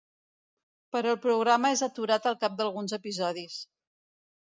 Però el programa és aturat al cap d'alguns episodis.